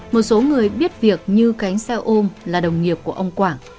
một số người biết việc như cánh xe ôm là đồng nghiệp của ông quảng